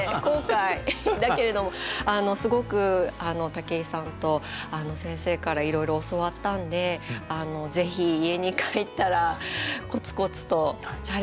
だけれどもすごく武井さんと先生からいろいろ教わったんでぜひ家に帰ったらコツコツとチャレンジまた続けたいと思います。